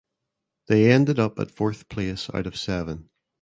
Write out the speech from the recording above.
They ended up at fourth place out of seven.